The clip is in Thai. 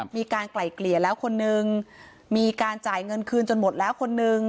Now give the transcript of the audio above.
ไกล่เกลี่ยแล้วคนนึงมีการจ่ายเงินคืนจนหมดแล้วคนนึง